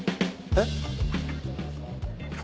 えっ！？